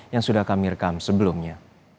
yang sudah kami rekam sebelumnya